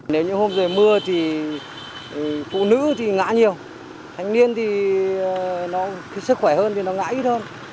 nếu như hôm trời mưa thì phụ nữ thì ngã nhiều thanh niên thì nó sức khỏe hơn thì nó ngã ít hơn